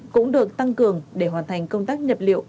cũng được tăng cường để hoàn thành công tác nhập liệu